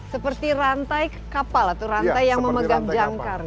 seperti rantai kapal atau rantai yang memegang jangkar